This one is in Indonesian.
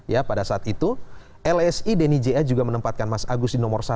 ya pada saat itu lsi denny ja juga menempatkan mas agus di nomor satu